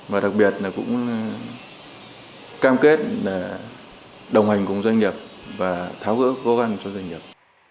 và đặc biệt là cũng cam kết đồng hành cùng doanh nghiệp và tháo gỡ khó khăn cho doanh nghiệp